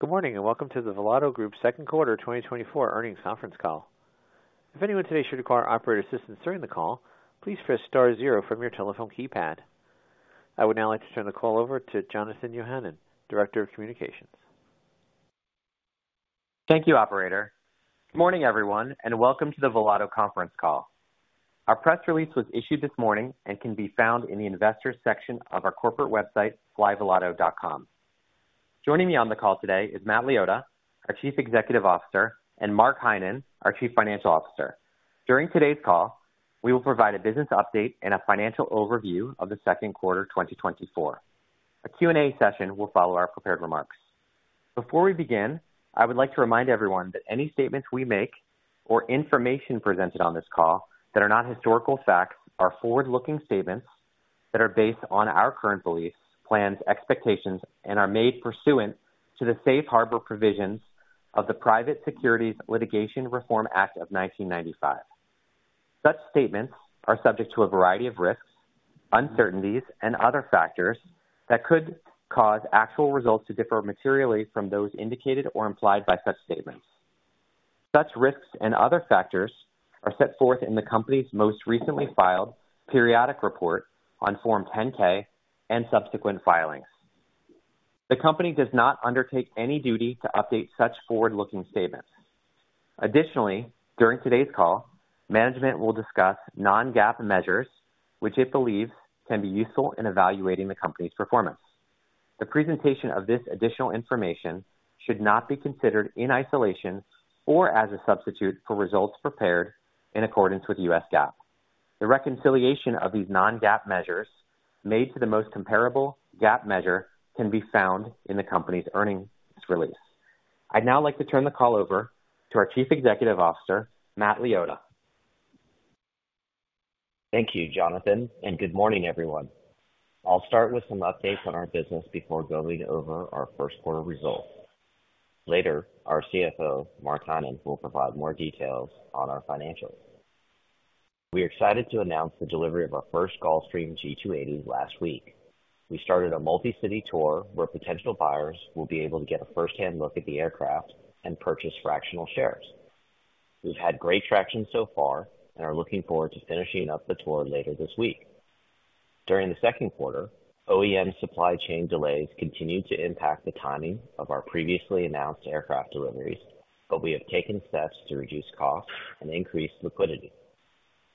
Good morning, and welcome to the Volato Group second quarter 2024 earnings conference call. If anyone today should require operator assistance during the call, please press star zero from your telephone keypad. I would now like to turn the call over to Jonathan Yohannan, Director of Communications. Thank you, operator. Good morning, everyone, and welcome to the Volato conference call. Our press release was issued this morning and can be found in the Investors section of our corporate website, flyvolato.com. Joining me on the call today is Matt Liotta, our Chief Executive Officer, and Mark Heinen, our Chief Financial Officer. During today's call, we will provide a business update and a financial overview of the second quarter 2024. A Q&A session will follow our prepared remarks. Before we begin, I would like to remind everyone that any statements we make or information presented on this call that are not historical facts are forward-looking statements that are based on our current beliefs, plans, expectations, and are made pursuant to the Safe Harbor provisions of the Private Securities Litigation Reform Act of 1995. Such statements are subject to a variety of risks, uncertainties, and other factors that could cause actual results to differ materially from those indicated or implied by such statements. Such risks and other factors are set forth in the company's most recently filed periodic report on Form 10-K and subsequent filings. The company does not undertake any duty to update such forward-looking statements. Additionally, during today's call, management will discuss non-GAAP measures which it believes can be useful in evaluating the company's performance. The presentation of this additional information should not be considered in isolation or as a substitute for results prepared in accordance with US GAAP. The reconciliation of these non-GAAP measures made to the most comparable GAAP measure can be found in the company's earnings release. I'd now like to turn the call over to our Chief Executive Officer, Matt Liotta. Thank you, Jonathan, and good morning, everyone. I'll start with some updates on our business before going over our first quarter results. Later, our CFO, Mark Heinen, will provide more details on our financials. We are excited to announce the delivery of our first Gulfstream G280 last week. We started a multi-city tour where potential buyers will be able to get a firsthand look at the aircraft and purchase fractional shares. We've had great traction so far and are looking forward to finishing up the tour later this week. During the second quarter, OEM supply chain delays continued to impact the timing of our previously announced aircraft deliveries, but we have taken steps to reduce costs and increase liquidity.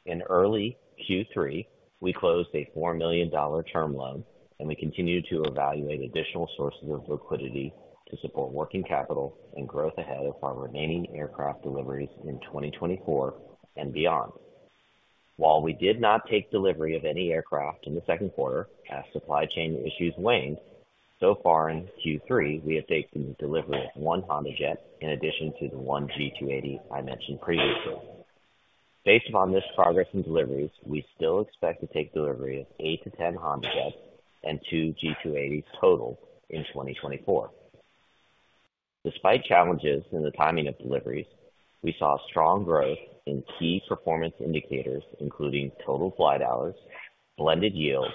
In early Q3, we closed a $4 million term loan, and we continued to evaluate additional sources of liquidity to support working capital and growth ahead of our remaining aircraft deliveries in 2024 and beyond. While we did not take delivery of any aircraft in the second quarter as supply chain issues waned, so far in Q3, we have taken the delivery of one HondaJet in addition to the one G280 I mentioned previously. Based upon this progress in deliveries, we still expect to take delivery of 8-10 HondaJets and two G280s total in 2024. Despite challenges in the timing of deliveries, we saw strong growth in key performance indicators, including total flight hours, blended yield,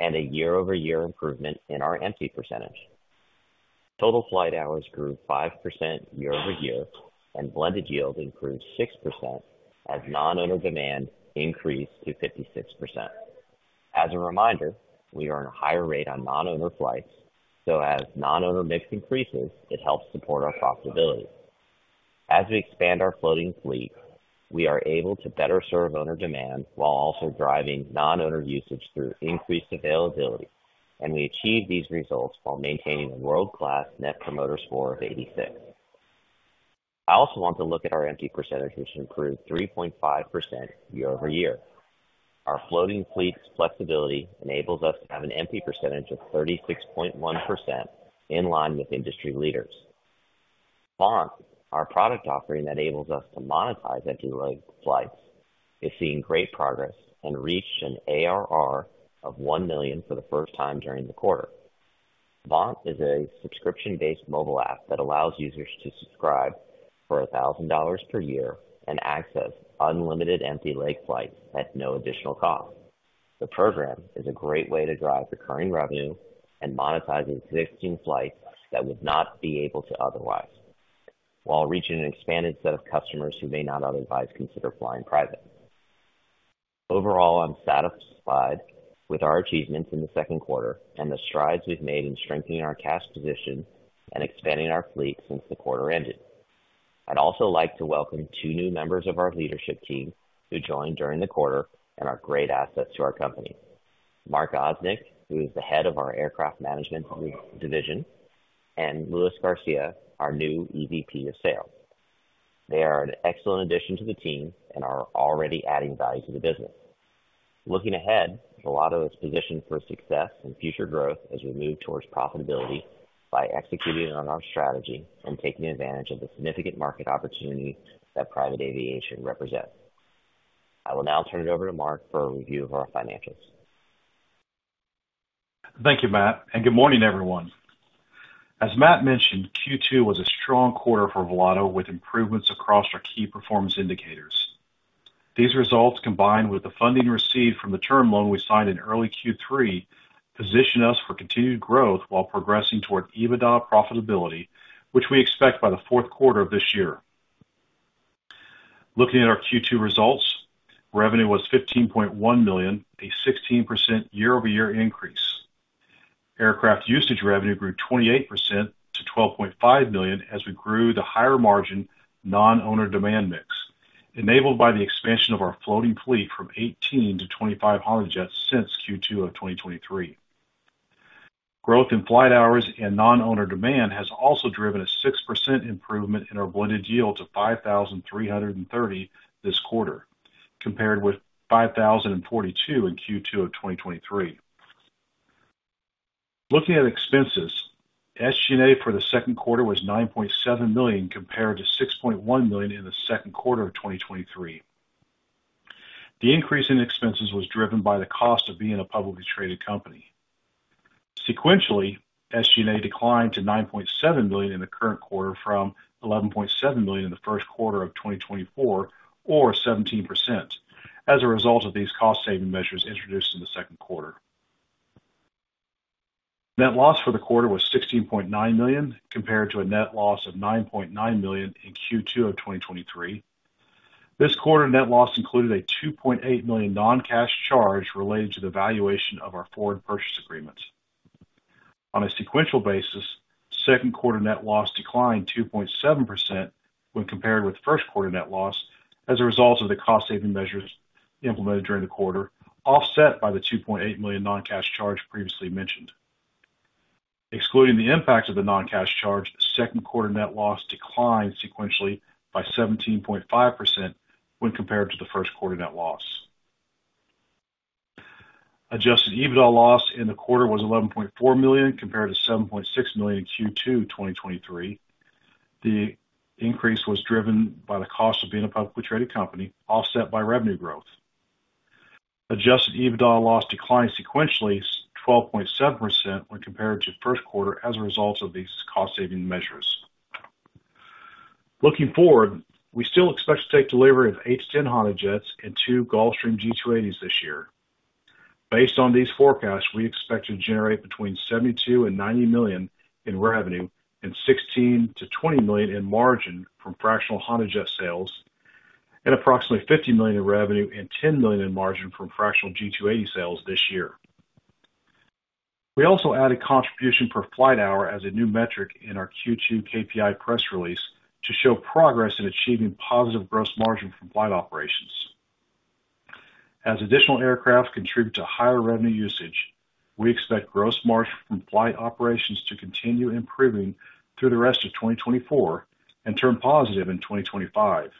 and a year-over-year improvement in our empty percentage. Total flight hours grew 5% year-over-year, and blended yield improved 6% as non-owner demand increased to 56%. As a reminder, we earn a higher rate on non-owner flights, so as non-owner mix increases, it helps support our profitability. As we expand our floating fleet, we are able to better serve owner demand while also driving non-owner usage through increased availability, and we achieve these results while maintaining a world-class Net Promoter Score of 86. I also want to look at our empty percentage, which improved 3.5% year-over-year. Our floating fleet's flexibility enables us to have an empty percentage of 36.1% in line with industry leaders. Vaunt, our product offering that enables us to monetize empty leg flights, is seeing great progress and reached an ARR of $1 million for the first time during the quarter. Vaunt is a subscription-based mobile app that allows users to subscribe for $1,000 per year and access unlimited empty leg flights at no additional cost. The program is a great way to drive recurring revenue and monetize existing flights that would not be able to otherwise, while reaching an expanded set of customers who may not otherwise consider flying private. Overall, I'm satisfied with our achievements in the second quarter and the strides we've made in strengthening our cash position and expanding our fleet since the quarter ended. I'd also like to welcome two new members of our leadership team who joined during the quarter and are great assets to our company. Mark Ozenick, who is the head of our aircraft management division, and Luis Garcia, our new EVP of Sales. They are an excellent addition to the team and are already adding value to the business. Looking ahead, Volato is positioned for success and future growth as we move towards profitability by executing on our strategy and taking advantage of the significant market opportunity that private aviation represents. I will now turn it over to Mark for a review of our financials. Thank you, Matt, and good morning, everyone. As Matt mentioned, Q2 was a strong quarter for Volato, with improvements across our key performance indicators. These results, combined with the funding received from the term loan we signed in early Q3, position us for continued growth while progressing toward EBITDA profitability, which we expect by the fourth quarter of this year. Looking at our Q2 results, revenue was $15.1 million, a 16% year-over-year increase. Aircraft usage revenue grew 28% to $12.5 million as we grew the higher margin non-owner demand mix, enabled by the expansion of our floating fleet from 18 to 25 HondaJets since Q2 of 2023. Growth in flight hours and non-owner demand has also driven a 6% improvement in our blended yield to $5,330 this quarter, compared with $5,042 in Q2 of 2023. Looking at expenses, SG&A for the second quarter was $9.7 million, compared to $6.1 million in the second quarter of 2023. The increase in expenses was driven by the cost of being a publicly traded company. Sequentially, SG&A declined to $9.7 million in the current quarter from $11.7 million in the first quarter of 2024, or 17%, as a result of these cost-saving measures introduced in the second quarter. Net loss for the quarter was $16.9 million, compared to a net loss of $9.9 million in Q2 of 2023. This quarter, net loss included a $2.8 million non-cash charge related to the valuation of our Forward Purchase Agreements. On a sequential basis, second quarter net loss declined 2.7% when compared with first quarter net loss as a result of the cost-saving measures implemented during the quarter, offset by the $2.8 million non-cash charge previously mentioned. Excluding the impact of the non-cash charge, second quarter net loss declined sequentially by 17.5% when compared to the first quarter net loss. Adjusted EBITDA loss in the quarter was $11.4 million, compared to $7.6 million in Q2 2023. The increase was driven by the cost of being a publicly traded company, offset by revenue growth. Adjusted EBITDA loss declined sequentially twelve point seven percent when compared to the first quarter as a result of these cost-saving measures. Looking forward, we still expect to take delivery of 8-10 HondaJets and two Gulfstream G280s this year. Based on these forecasts, we expect to generate between $72 million and $90 million in revenue and $16 million to $20 million in margin from fractional HondaJet sales and approximately $50 million in revenue and $10 million in margin from fractional G280 sales this year. We also added contribution per flight hour as a new metric in our Q2 KPI press release to show progress in achieving positive gross margin from flight operations. As additional aircraft contribute to higher revenue usage, we expect gross margin from flight operations to continue improving through the rest of 2024 and turn positive in 2025.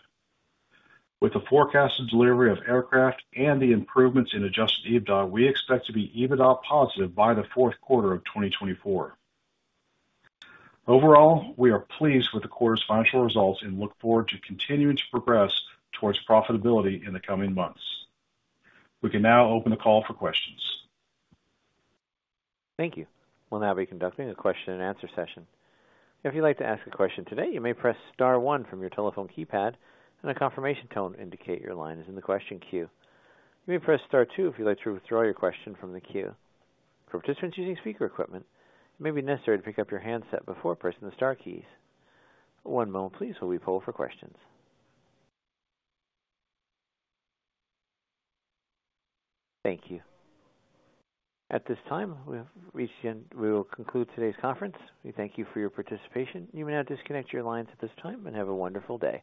With the forecasted delivery of aircraft and the improvements in Adjusted EBITDA, we expect to be EBITDA positive by the fourth quarter of 2024. Overall, we are pleased with the quarter's financial results and look forward to continuing to progress towards profitability in the coming months. We can now open the call for questions. Thank you. We'll now be conducting a question-and-answer session. If you'd like to ask a question today, you may press star one from your telephone keypad, and a confirmation tone will indicate your line is in the question queue. You may press star two if you'd like to withdraw your question from the queue. For participants using speaker equipment, it may be necessary to pick up your handset before pressing the star keys. One moment please, while we poll for questions. Thank you. At this time, we have reached the end. We will conclude today's conference. We thank you for your participation. You may now disconnect your lines at this time and have a wonderful day.